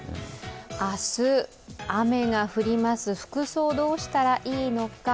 明日、雨が降ります、服装どうしたらいいのか。